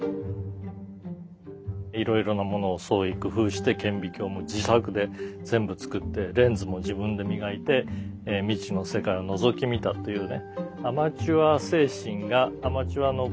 いろいろなものを創意工夫して顕微鏡も自作で全部作ってレンズも自分で磨いて未知の世界をのぞき見たというね